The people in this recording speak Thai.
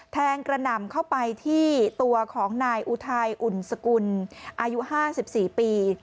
กระหน่ำเข้าไปที่ตัวของนายอุทัยอุ่นสกุลอายุ๕๔ปี